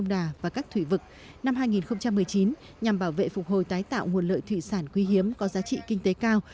năm hai nghìn một mươi chín nhằm bảo vệ phục hồi tái tạo nguồn lợi thủy sản quý hiếm có giá trị kinh tế cao